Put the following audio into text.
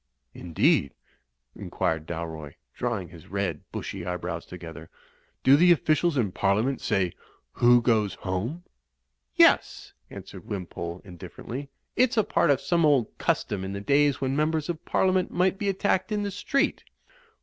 '" "Indeed," inquired Dalroy, drawing his red bushy eyebrows together. "Do the officials in Parliament say, Who goes home?'" "Yes," answered Wimpole, indifferently, "it's a part of some old custom in the days when Members of Parliament might be attacked in the street."